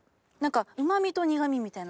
うまみと苦みみたいな。